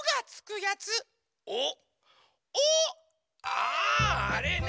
ああれね。